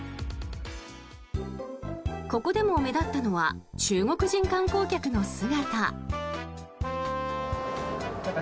ここでも目立ったのは中国人観光客の姿。